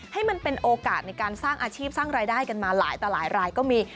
ให้มันเป็นโอกาสในการสร้างอาชีพสร้างรายได้กันมาหลายต่อหลายรายก็มี